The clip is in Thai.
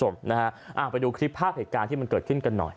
ไปดูคลิปภาพเหตุการณ์ที่มันเกิดขึ้นกันหน่อย